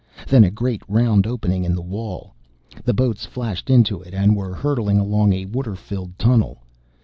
Then a great round opening in the wall; the boats flashed into it and were hurtling along a water filled tunnel.